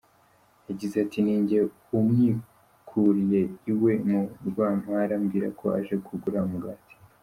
Yagize ati “Ninjye umwikuriye iwe mu Rwampara ambwira ko aje kugura umugati.